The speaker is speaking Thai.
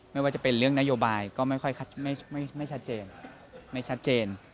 ไม่ว่าจะเป็นเรื่องนโยบายก็ไม่ชัดเจน